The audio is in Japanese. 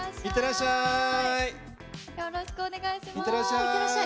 いってらっしゃい。